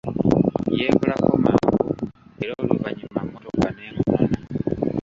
Yeekolako mangu, era oluvanyuma mmotoka n'emunona.